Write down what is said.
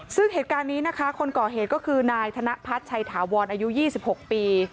ซึ่งเหตุการณ์นี้นะคะคนก่อเหตุก็คือนายธนพัฒน์ชัยถาวรอายุ๒๖ปี